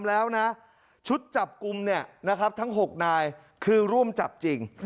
แล้วนะชุดจับกลุ่มเนี่ยนะครับทั้ง๖นายคือร่วมจับจริง